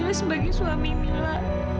kak fadil sebagai suami mila